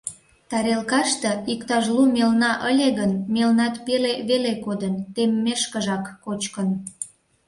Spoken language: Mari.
Тарелкаште иктаж лу мелна ыле гын, мелнат пеле веле кодын, теммешкыжак кочкын.